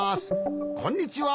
こんにちは。